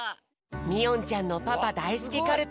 みおんちゃんのパパだいすきカルタ